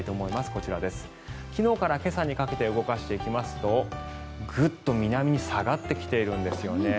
こちら、昨日から今朝にかけて動かしていきますとグッと南に下がってきているんですよね。